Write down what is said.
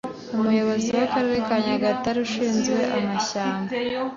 Umukozi w’Akarere ka Nyagatare ushinzwe Amashyamba